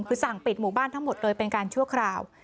คือสั่งปิดหมู่บ้านทั้งหมดเลยเป็นการชั่วคราว